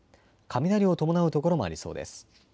雷を伴う所もありそうです。